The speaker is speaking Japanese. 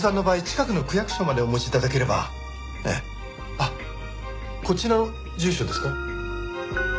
あっこちらの住所ですか？